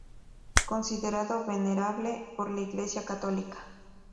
Considerado Venerable por la Iglesia católica.